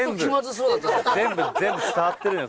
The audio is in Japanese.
全部伝わってるのよ。